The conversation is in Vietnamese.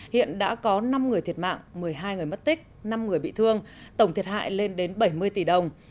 hiện đã có năm người thiệt mạng một mươi hai người mất tích năm người bị thương tổng thiệt hại lên đến bảy mươi tỷ đồng